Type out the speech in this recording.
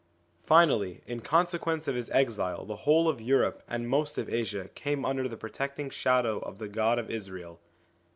Finally, in consequence of his exile the whole of Europe and most of Asia came under the protecting shadow of the God of Israel.